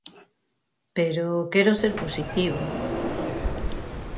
Pero quero ser positivo.